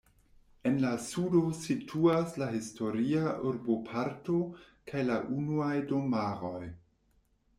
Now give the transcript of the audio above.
En la sudo situas la historia urboparto kaj la unuaj domaroj.